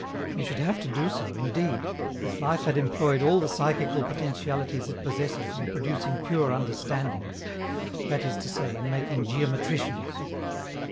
We should have to do so, indeed, if life had employed all the psychical potentialities it possesses in producing pure understandings that is to say, in making geometricians.